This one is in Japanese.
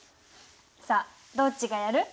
さあどっちがやる？